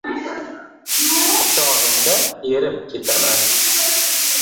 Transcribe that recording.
Quchog‘ingda erib ketaman